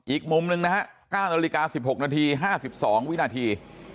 อีกมุมหนึ่งนะฮะ๙นาฬิกา๑๖นาที๕๒วินาที